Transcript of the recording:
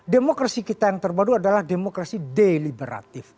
demokrasi kita yang terbaru adalah demokrasi deliberatif